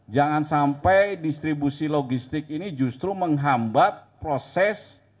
jangan sampai distribusi logistik ini justru menghambat proses